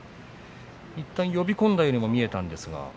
いったん呼び込んだように見えたんですが。